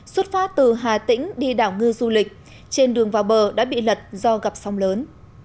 xuất phát từ hà tĩnh đi đảo ngư du lịch trên đường vào bờ đã bị lật do gặp sóng lớn